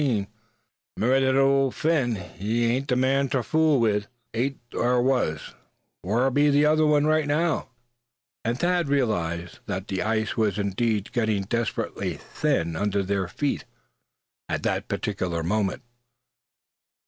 An' it mout pay yuh ter 'member thet Ole Phin, he beant the man ter fool with. Eight thar was; whar be the other right now?" And Thad realized that the ice was indeed getting desperately thin under their feet at that particular moment.